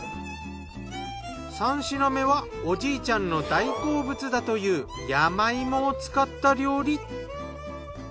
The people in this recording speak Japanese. ３品目はおじいちゃんの大好物だという山芋を使った料理。